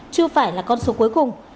chưa phải là con số cuối cùng